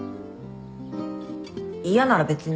嫌なら別に